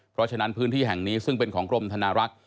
เพราะฉะนั้นพื้นที่แห่งนี้ซึ่งเป็นของกรมธนารักษ์